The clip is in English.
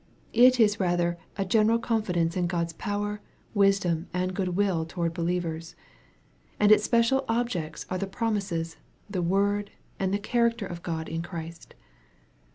It is rather a general confidence in God's power, wisdom, and goodwill towards believers. And its special objects are the promises, the word, and the character of God in Christ.